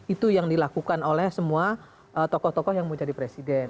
itu yang dilakukan oleh semua tokoh tokoh yang mau jadi presiden